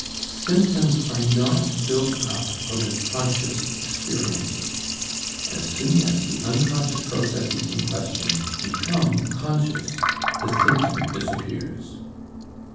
Symptoms are not built up out of conscious experiences; as soon as the unconscious processes in question become conscious, the symptom disappears.